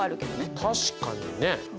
確かにね。